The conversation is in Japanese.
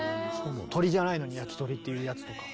鶏じゃないのにやきとりっていうやつとか。